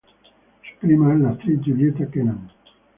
Su prima es la actriz Julieta Kenan.